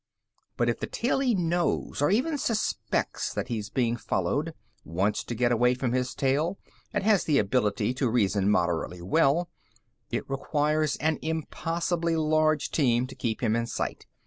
But if the tailee knows, or even suspects, that he's being followed, wants to get away from his tail, and has the ability to reason moderately well, it requires an impossibly large team to keep him in sight.